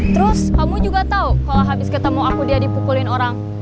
terus kamu juga tahu kalau habis ketemu aku dia dipukulin orang